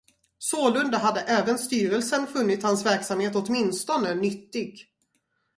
Sålunda hade även styrelsen funnit hans verksamhet åtminstone nyttig.